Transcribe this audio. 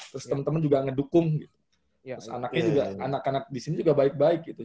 terus temen temen juga ngedukung gitu terus anak anak di sini juga baik baik gitu